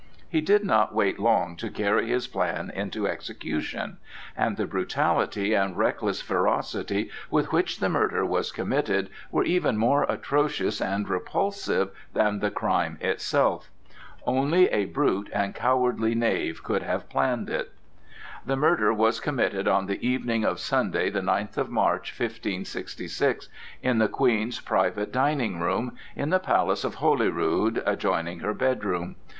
He did not wait long to carry his plan into execution; and the brutality and reckless ferocity with which the murder was committed were even more atrocious and repulsive than the crime itself. Only a brute and cowardly knave could have planned it. The murder was committed on the evening of Sunday, the ninth of March, 1566, in the Queen's private dining room in the palace of Holyrood, adjoining her bedroom.